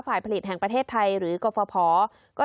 ฝ่ายผลิตแห่งประเทศไทยหรือกเกาะฟ้าเพาะ